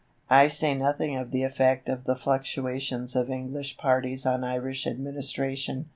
I say nothing of the effect of the fluctuations of English parties on Irish administration.